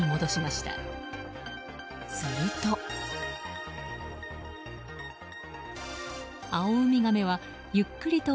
すると。